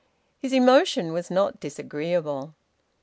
His emotion was not disagreeable.